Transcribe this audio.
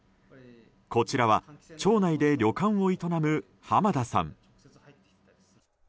こちらは町内で旅館を営む濱田さん。